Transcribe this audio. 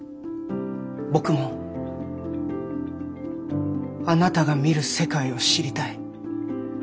僕もあなたが見る世界を知りたい。